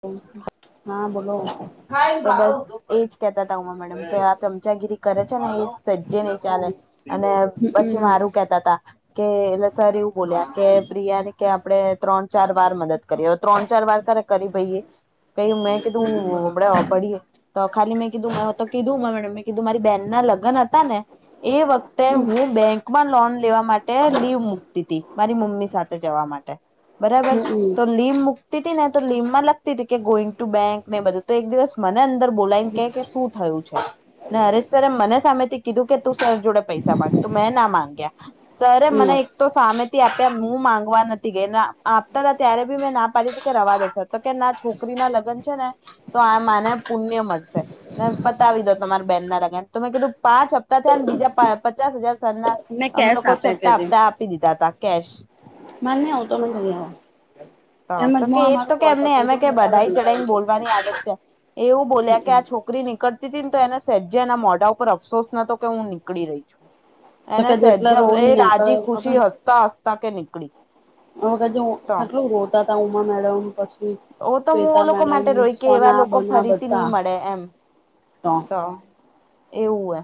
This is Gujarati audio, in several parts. હ હા, બોલો. તો બસ એજ કેતા તા ઉમા મેડમ કે આ ચમચાગીરી કરે છે. ને એ સજ્જે નહીં ચાલે અને પછી હમમ મારું કેતા તા કે એટલે સર એવું બોલ્યા કે પ્રિયા ને કે આપણે ત્રણ ચાર વાર મદદ કર્યો. ત્રણ ચાર વાર કરરે કરી ભઈએ કઈ મેં કીધું. હમમ પડીએ તો ખાલી મેં કીધું મેં તો કીધું મે મેં કીધું મારી બેન ના લગ્ન હતા ને એ વખતે હમમ હું બેંકમાં લોન લેવા માટે લીવ મુકતી તી મારી મમ્મી સાથે જવા માટે બરાબર તો નહી લીવ મુક્તિ ને તો લીમ માં લગતી તી કે ગોઈંગ ટુ બેંક ને બધું તો એક દિવસ મને દર બોલાઈને કે કે શું થયું છે, ને હરેશ સરે મને સામે કીધું કે તું સર જોડે પૈસા માંગ તું મેં ના માંગ્યા સર મને એક તો સામેથી આપ્ હું માંગવા નથી ગ‌ઈ આપતા હતા, ત્યારે બી મેં ના પાડી કે રવા દેતા તો કે ના છોકરી ના લગન છે ને. તો આ માને પુણ્ય મળશે ને પતાવી દો તમારા બેન ના લગન તોમે કીધું પાંચ હપ્તા થયાન બીજા પચાસ હજાર સર ના મેં અમે કેશ લોકો આપ્યા છઠ્ઠા આપતા આપી દીધા હતા કેશ. મા [unintelligible] તો તો કે એક તો કે એમને એમે દઉં કે ને કાલે બધાઈ બે ચઢાઈને તારીખે પતાવી બોલવાની આદત છે. એવું બોલ્યા કે દઉં આ છોકરી નીકળ ને તો એને સેજેના મોઢા ઉપર અફસોસ નતો કે હું નીકળી રહી છું. તો એને કે જેટલા સહેજે એ રોઈ ને રાજી ખુશી હસતાં -હસતા કે નીકળી. હ [unintelligible] તો કેટલું રોતા હતા ઉમા મેડમ પછી. ઓ તો હું શ્વેતા ઓ લોકો મેડમ માટે રોઈ કે એવા સોના લોકો બના ફરીથી નહી બધા મળે એમ તો. એવું હે.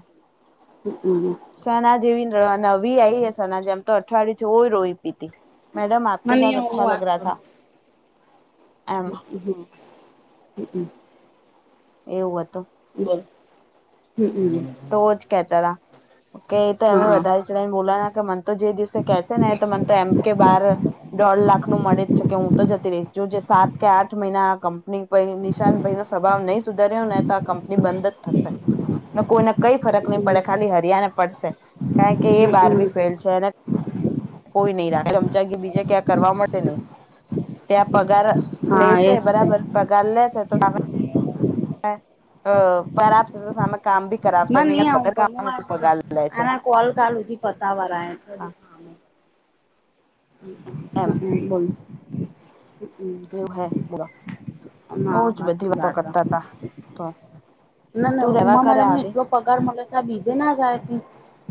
હમમ સના જેવીને નવી આઈ સના જેમ તો અઠવાડિયેથી ચોય રોઈ તી તી. મેડમ આપકે મને સાથ હું અચ્છા લગ રાથા. હું હુંઉ હ હું. એવું હતું. બર તો જ કેતા તા. કે એ તો હા વધારે ચડાઈ બોલાના કે મન તો જે દિવસે કેસે ને એ મ તો એમ કે બાર લાખ નું મળે જ છે કે, હું તો જ જો જે સાત કે આઠ મહિના કંપની નિશાન ભાઈ નનો સ્વભાવ નહીં સુધાર્યો ને તો કંપની બંધ જ થશે, કોઈને કઈ ફરક નહી હમમ પડે ખાલી હરિયાને પડશે. કારણ કે એ બાર બી ફેલ છે અને કોઈ નહી રાખે ચમચા બીજે ક્યાં કરવા મળશે નહી ત્યાં પગાર હા લેશે એજ તે બરાબર પગાર લે છે. [inaudible] મારા નહી આવું પણ, પગાર લે છે આના કોલ કાલ હુધી પતાવાળ હા [unintelligible] [inaudible] એમ બોલ. એવું હે બ ના બઉજ બધી હાચી વાતો વાત કરતા હતા તો ના તું ના રેવા ઉમા કરે મેડમને આવી એટલો પગાર મળે ત આ બીજે ના જાય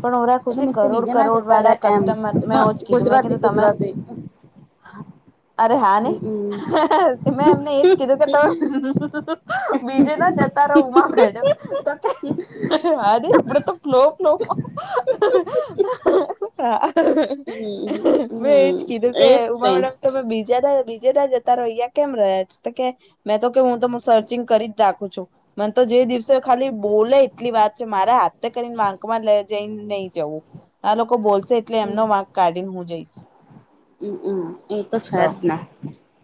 પણ ઓરા ખુશી મસ્ તો કરોડ બીજા ના કરોડ જતા રે, વાળા એમ કસ્ટમર મેં ગુજરાતી ગુજરાતી હા અરે હા નઈ, હમ મેં એમને એજ કીધું કે ત બીજે જતા રહું મેડમ તો કે અરે આપડે તો ક્લો ક્લો હા હમ મેં હમ એજ કીધું કે એજ તે ઉમા મેડમ તોમે બીજા બીજે ત જતા રો અં કેમ રહ્યા છે કે મેં તો કે હું તો સર્ચિંગ કરી જ રાખું છું મ તો જે દિવસે ખાલી બોલે એટલી વાત છે મારે હાતે કરીને ંક માં લે જ નહી જવું આ લોકો બોલ હમ હમ હમ એ તો સાદ ના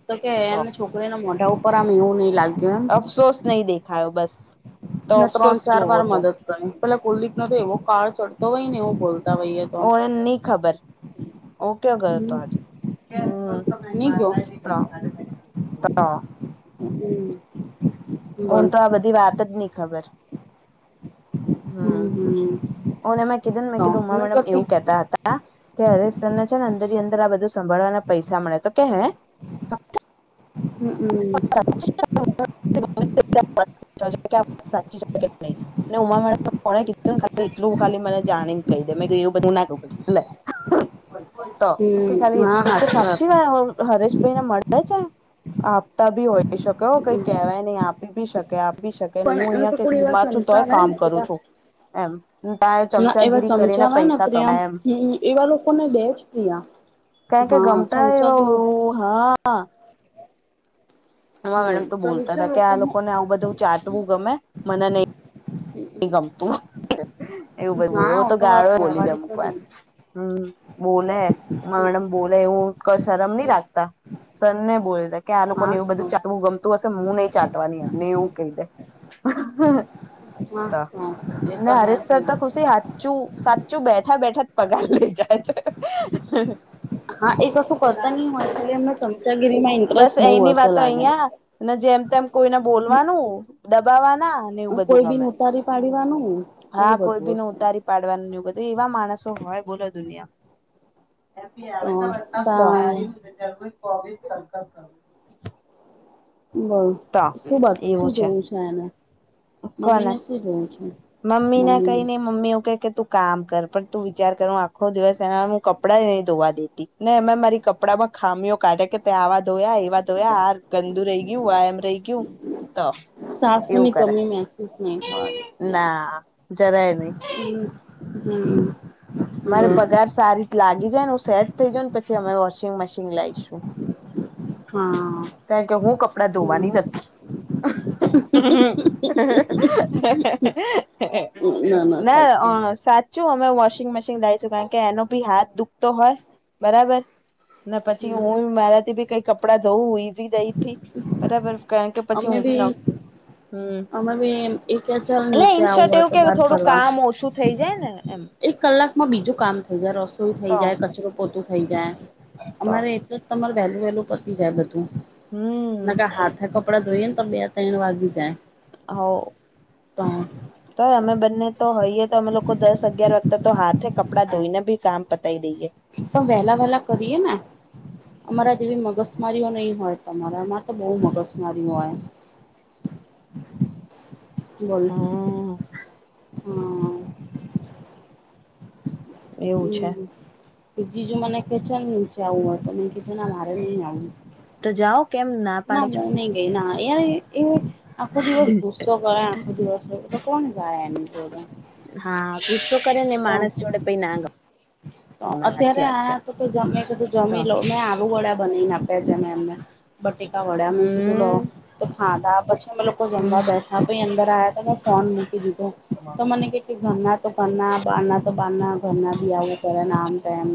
તો કે એને છોકરીને મોઢા ઉપર આમ એવું નહીં લાગે અફસોસ નહીં દેખાયો બસ તો ત્રણ અફસોસ ચાર વાર જોવો તો મદદ કરી પેલા કુલદીપનોો તો એવો કાળ ચડતો હોય ને એવું બોલતો ઓ ન ખબર મક્યો ગયો હતો હમ આજે નહી ગયો [inaudible] હમ. બોલ હન તો આ બધી વાત જ નહી ખબર હમ હમ ઓ મેં કીધું ને મેં તો કીધું ઉમા ન મેડમ કરતી એવું કેતા હતા કે હરેસ છે ને અંદર અંદર આ બધું સંભાળવાના પૈસા મળે તો કે હે હમ હમ સાચી ઉમા મે કો કીધુંા એટું ખાલી મ પાણીને કહી દે એવું બધું નાખ પ હય તો કે ખાલે હમ હા એટલ તો વાત સાચી વા હરેશભાઈ ને મળે છે આપ બી હોય શકે કઈ કવાય નહી આપી બી શકે ી શકે પણ હું એ અહિયાં તો કઈક કોઈ એવા બીમાર છું ચમચા તોય આવે કામ ને કરું એવા છું એમ ત્યાં ના એવા ચમચાગીરી કરીને ચમચા હોય ને પૈસા પ્રિયા કમાય એમ હ એવા લોકોને દે જ પ્રિયા કં કે હા ગમતાય ચમચા એવ જો હા હમાં બોલ મેડમ ત બોલતા ચમચા હતા કે લોકો આ લોકોને આવું બધું ચાટવું ગમે મને નહ એ ગમ તું એવું બધું હા બો ઓ તો વાત ગાળો બોલી દે વ્યવહારિક અમુક જ વાર હમ બોલે મેડમ બોલે એવું ક શરમ નહી રાખતા સરને બોલી દે કે આ લોકોનેવું મસ્ત બધું ચાટવું ગમતું હશે હું નહીં ચાટવાની એમને એવું કહી દે હ મસ્ત એ તો ના હે જ હરશસર ને તો ખુશી સાચું સાચું બેઠ બેઠા બેઠા પગાર લઇ જાય છે. હા એ કશું કરતા નહી હોય ખાલી એમને ચમચાગીરીમાં બસ ઇન્ટરેસ્ટ બહુ એની હશે વાતો લાગે અહયા જેમ તેમ કોઈને બોલવાનું દબાવાના ને એવું બધું કોઈ બી ને ગમે ઉતારી પાડવાનું એવું હા કોઈ બી બધું ન હશે ઉતારી પાડવાનું ગ હતું એવા માણસ હોય બોલો દુનિયા તો તા પવિત કર કર કર બોલ શું વાત શું જોવું છે એને મમ્મીને કોના શું જોવું છે મમ્મી ના કઈને મમીવુંઈ કે તું કામ કર પણ તું વિચાર કર આખો દિવસ એના હું કપડા નહી ધોવા દેતી ને અમે મારી કપડા ડા માં ખામીઓ કાઢે કે ત્યાં આવા ધોયા એવા ધોયા ગંદુ રહી ગયું આયામ રહી ગયું તો એવું કરે ઠીક હ જરા હમ હમ અમારે પગાર સારી રીતે લાગી જાયને હું સેટ થઇ જાયને પછી અમે વોશિંગ મશીન લઈશું હા આપણા ધોવાની નથી ના સાચી વાત ના સાચું વોશિંગ મશીન લાવશું કારણ કે એનો ભી હાથ દુખતો હોય બરાબર પછી હું મારાથી બી કઈ કપડાં ધોવું ઈઝી નઈ થી બરાબર કારણ કે પછી હું બી ના હમ્મ અમે બી એ કે ચાલ એટલે નીચે આવું ઇન્શર્ટ હોય એવું તો કે બહાર થોડું ફરવા કામ ઓછું થઇ જાય ને એમ. એક કલાકમાં બીજું કામ થઈ જાય રસોઈ થઈ તો જાય કચરો પોતો થઈ જાય તો અમારે એટલે જ તમારે વહેલું વહેલું પતી જાય બધું. હમ ના હાથ કપડાં ધોઈએ ને તો બે તૈણ વાગી જાય. હઓ. તો તો અમે બંને તો હોઈએ તો અમે લોકો દસ અગિયાર વખતે તો હાથે કપડાં ધોઈને બી કામ પ તો વેલા વેલા કરીએ ને અમારા જેવી મગસમારીઓ નહી હોય તમાર. અમાર તો બહુ મગસ માારીયું હોય. બોલ હમ હમ્મ. એવું છે. કે જીજુ મને કે છે ને નીચે આવું હોય તો મેં કીધું મારે નહી આવું. તો જાઓ કેમ પાડો ના બહુ છો નહી ગઈ ના એ એ આખો દિવસ ગુસ્સો કરે આખો દિવસ તો કોણ જાય એની જોડે. હા ગુસ્સો ને તો માનસ જોડ કઈ ના ગમે. અત્યારે સાચી વાત આ છે તો જમે કધું તો જમી લો મે આવું ગળ્યા પણ ના ભેજ્યા મે એમને બટકા વડા મે કીધું લો હમ તો ખાધા અમે લોકો જમવા બેઠા કો અંદર આવ્યા તોને ફોન મૂકી દીધો તો મને કેટલી ઘરના તો ઘરના બારના તો બારના ઘરના બી આવું કરે ને આમ તેમ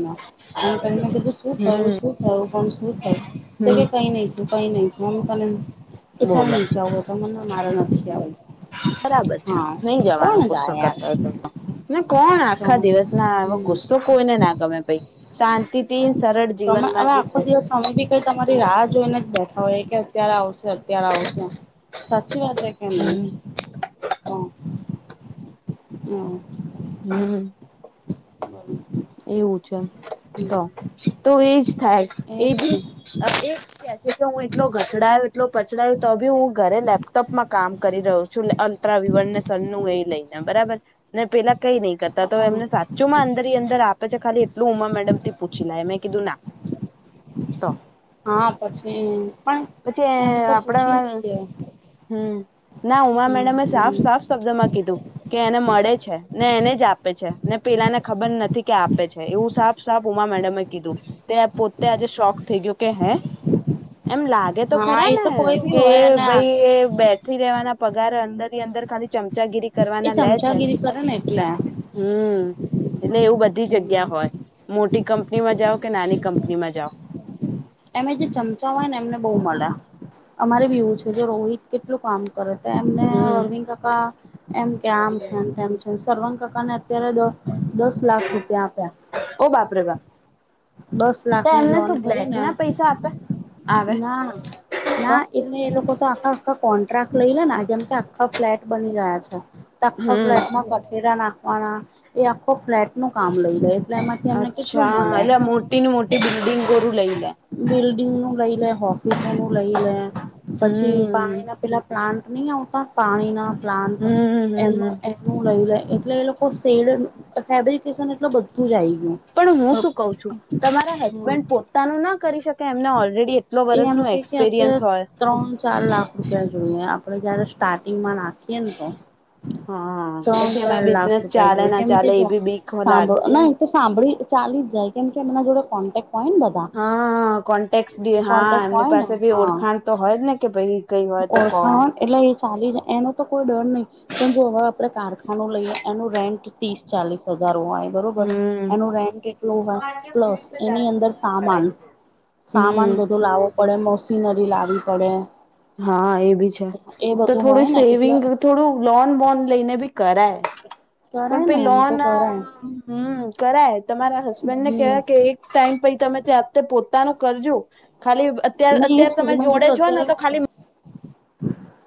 એમ કરીને કીધું શું થયું હમ શું થયું પણ શું થયું તો કે હમ કઈ નહી કઈ ને થયું. તમે કે ચાલ બોલો નીચે આવુ તો મને મારે નથી આવુ. બરાબર છે નહી જવાનો ગુસ્સો યાર કરતા હોય તો. ને કોણ આખા દિવસ ના હમ ગુસ્સો કોઈને ના ગમે ભાઈ શાંતિથી સરળ તમે જીવનમાં હવે આખો જીવવું દિવસ સ્વામી ભી કઈ તમારી રાહ જોઈને જ બેઠા હોય કે અત્યારે આવશે ત્યારે આવશે સાચી વાત છે કે નહી. હમ હમ્મ. હમ્મ. બરાબર. એવું છે તો તો એજ થાય એ બી એ હું એટલો ઘસડાયો એટલો પછડાયો તો બી હું ઘરે લેપટોપમાં કામ કરી રહ્યો છું અ [unintelligible] બને સનુ એ લઈને ગયા બરાબર ને પેલા કઈ નહી કરતા તો એમને સાચું માં અંદર હિ અંદર ખાલી એટલું ઉમા મેડમથી પૂછી લાય મેં કીધું ના તો હા પછી પણ એમ તો પૂછી નઈ દેવાનું. હમ્મ ના ઉમા મેડમે સાફ સાફ શબ્દ માં કીધું. કે એને મળે છે ને એને જ આપે છે ને પેલાને ખબર નથી કે આપ આપે છે એવું સાફ સાફ ઉમા મેડમે કીધું તે પોતે આજે શોક થઈ ગયો કે હે એમ લાગે તો હા ખરા એ ને તો કોઈ બી કે હોય અને ભાઈ બેઠી રેવાના પગાર અંદર ની અંદર ખાલી ચમચાગીરી એ કરવાના લે છે. ચમચાગીરી કરે ને એટલે હમ હમ્મ એને એવું બધી જગ્યા યા હોય મોટી કંપનીમાં જાઓ કે નાની કંપની માં જાઓ. એમે જે ચમચા હોય ને એમને બહુ મળે અમારે બી એવું છે જો રોહિત કેટલું કામ કરે તો એમને હમ અરવિંદ કાકા એમ કે આમ છે તેમ છે સરવંગ કાકાને તેને દ દસ લાખ રૂપિયા આપ્યા. ઓ બાપરે બાપ દસ તો લાખની એમને લોન શું બ્લેક કરીને ના પૈસા આપે આવે ના તો ના એટલે એ લોકો તો આખા આખા કોન કઈક લઈ લે જેમ કે આખા ફ્લેટ બની રહ્યા છે, આખા હમ ફ્લેટમાં કઠેરા નાખ એ આખો ફ્લેટ નું કામ લઈ લે એટલે એમાંથી એમને કેટલું મલે. તીન મોટી બિલ્ડિંગ કરુ લઈ. લે બિલ્ડિંગ નું લઈ લે ઓફિસો નું લઈ લે હમ પછી પાણી ના પેલા પ્લાન્ટ ની આવતા પાણી ના પ્લાન્ટ હમ એ હમ હમ એનું લઈ લે એટલે એ લોકો સેલ ફેબ્રિકેશન એટલ બધું જ આવી ગયું. પણ હું શું કઉ છું તમારા હમ હસબન્ડ પોતાનું ના કરી શકે એમને ઓલરેડી એટલો એ વરસ એમ નો કે કે એક્સપિરિયન્સ અત્યારે હોય. આપડે જયારે સ્ટાર્ટિંગમાં નાખીએ ને તો હા ત્રણ પછી ચાર એમાં લાખ બિઝનેસ રૂપિયા ચાલે જોય ના કેમ કે ચાલે એ જો બી બીક સાંભળો લાગતી હોય ના એ તો સાંભળી ચાલી જ જાય કેમ કે એમના જોડે કોન્ટેક્ટ હોય ને બધા હા કો ટેક્સ દયે હા કોન્ટેક્ટ એમની હોય ને પાસે ભી હા ઓળખાણ તો હોય જ ને કે ભાઈ કઈ હોય તો કો ઓળખાણ હોય એટલે ચાલી જ એનો તો કોઈ ડર નહીં, પણ જો હવે આપણે કારખાનો લઈએ એનું રેન્ટ ત્રીસ ચાલીસ હજાર હોય બરોબર હમ એનું રેન્ટ એટલું હોય પ્લસ એની અંદર સામાન સામાન હમ બધું લાવવો પડે મશીનરી લાવવી પડે. હા એ બી છે, એ તો બધું હોય થોડું ને એટલે સેવિંગ થોડું લોન બોન લઈને બી કરાય. પણ કરાય ભઈ ને એમ તો લોન, કરાય હમ્મ. કરાય તમારા હસબન્ડને હમ કેહેવાય કે એક ટાઈમ પછી તમેતે પોતાનું કરજો. ખાલી અત્યારે મેં એજ અત્યારે તમે કીધું મેં જોડે કીધું છો ને તો અત્યારે ખાલી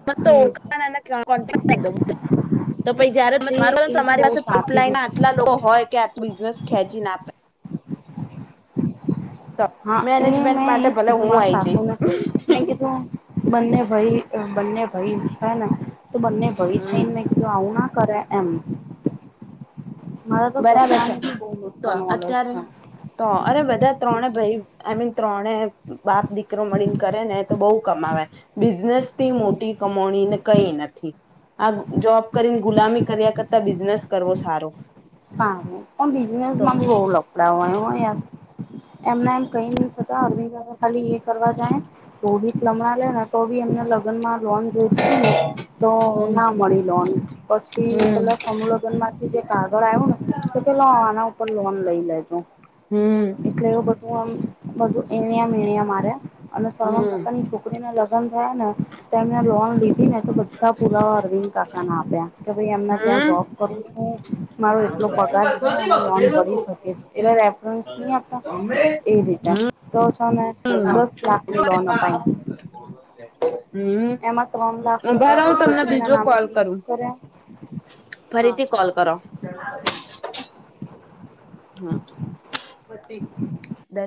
મસ્ત હમ ઓળખાન અને કોન્ટેક [inaudible] તો પછી જયારે તે મારોને એ તમારી બહુ પાસે સારી પાઇપલાઈન ના આટલા લોકો હોય કે આ બિઝનેસ ખેંચીને આપે. તો હા એ મેનેજમેન્ટ મેં એજ માટે ભલે કીધું હું મારા આઈ સાસુ જઈશ ને મેં કીધું. બંને ભાઈ બંને ભાઈ છે ને તો બંને ભઈ હમ થઈને ને આવું ના કરે એમ મારા તો બરાબર છે સસરાને બી બહુ તો ગુસ્સા નોલેજ અત્યારે છે તો અરે બધા ત્રણે ભાઈ આઈમીન ત્રણે બાપ દીકરો મળીને કરે ને તો બઉ કમાવે બિઝનેસ થી મોટી કમાણી. કઈ નથી આ જોબ કરીને ગુલામી કર્યા કરતા બિઝનેસ કરવો સારો સારું પણ તો બિઝનેસમાં બહુ લફડા હોય હો યાર એમના એમ કઈ નહી થતા [unintelligible] તો ખાલી એ કરવા જાય. થોડીક [unintelligible] લે ને તો બી એમને લગ્નમાં લોન જોઈતી હતી ને તો હમ ના મળી લોન પછી હમ પેલા સમૂહ લગ્ન માંથી જે ક આવયુ ને તો પેલા આના ઉપર લોન લઈ લેજો. હમ એટલે એવું બધું આમ બધું. એણિયા મણિયા માર્યા અને સરવંગ હમ કાકાની છોકરીને લગ ને તો એમને લોન લીધી ને તો બધા પુરા અરવિંદ કાકા ના આપ્યા કે ભાઈ એમને હમ ત્યાં [unintelligible] કર્યું છે એટલું પગાર છે, અને લોન ભરી શકે એ રેફરસ નહી આપતા એ રીતે. તો છને હમ દસ લાખની લોન આપાઈ હમ્મ ત્રણ લાખ ભલે રૂપિયા તો હું તમને છોકરીના બીજો નામે કોલ કરું. ફિક્સ કર્યા હા ફરીથી કોલ ચાલો કરો. હમ્મ